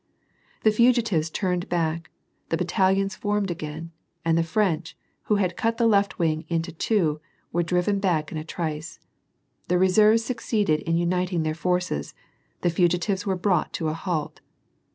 The fugitives turned back, the battalions formed again, and the French, who had cut the left wing into two, were drjven back in a trice. The reserves succeeded in uniting their forces ; the fugitives were brought to a halt.